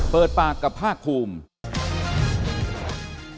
เปิดปากกับภาคภูมิ